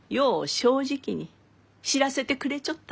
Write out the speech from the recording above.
正直に知らせてくれちょった。